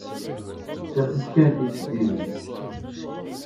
Ittaf-d kan tisebbiwin.